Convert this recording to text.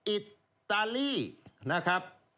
อิตาลีนะครับ